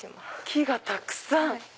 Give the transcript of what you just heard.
木がたくさん！